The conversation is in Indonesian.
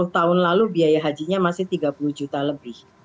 sepuluh tahun lalu biaya hajinya masih rp tiga puluh lebih